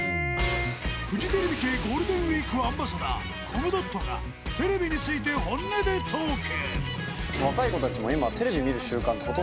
フジテレビ系ゴールデンウィークアンバサダーコムドットがテレビについて本音でトーク。